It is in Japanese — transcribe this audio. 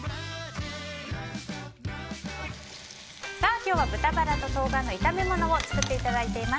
今日は豚バラと冬瓜の炒め物を作っていただいています。